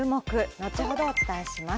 後ほどお伝えします。